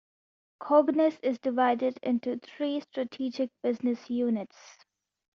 Cognis is divided into three strategic business units.